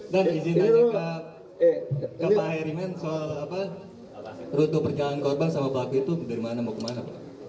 dan izin nanya ke pak herimen soal rute perjalanan korban sama pelaku itu dari mana mau ke mana